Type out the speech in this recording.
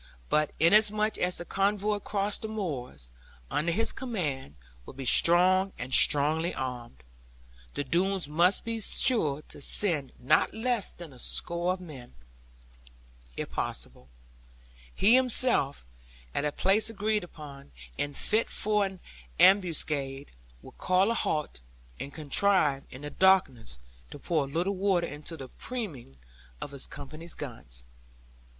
But inasmuch as the convoy across the moors, under his command, would be strong, and strongly armed, the Doones must be sure to send not less than a score of men, if possible. He himself, at a place agreed upon, and fit for an ambuscade, would call a halt, and contrive in the darkness to pour a little water into the priming of his company's guns.